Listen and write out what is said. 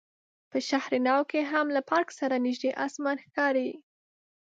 په شهر نو کې هم له پارک سره نژدې اسمان ښکاري.